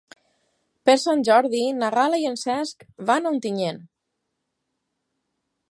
Per Sant Jordi na Gal·la i en Cesc van a Ontinyent.